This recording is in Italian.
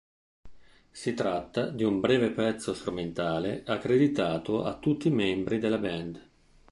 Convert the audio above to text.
Si tratta di un breve pezzo strumentale accreditato a tutti i membri della band.